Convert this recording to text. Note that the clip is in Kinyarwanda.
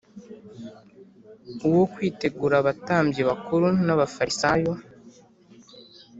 uwo Kwitegura abatambyi bakuru n Abafarisayo